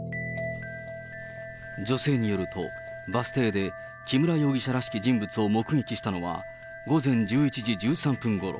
女性によると、バス停で木村容疑者らしき人物を目撃したのは午前１１時１３分ごろ。